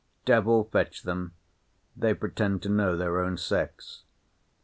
Devil fetch them, they pretend to know their own sex.